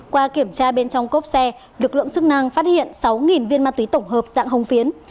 qua kiểm tra bên trong cốp xe lực lượng chức năng phát hiện sáu viên ma túy tổng hợp dạng hồng phiến